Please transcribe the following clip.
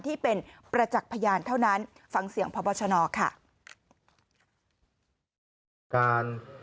ที่เป็นประจักษ์พยานเท่านั้นฟังเสียงพบชนค่ะ